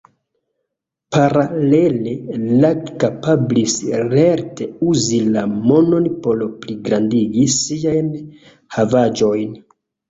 Paralele Lang kapablis lerte uzi la monon por pligrandigi siajn havaĵojn.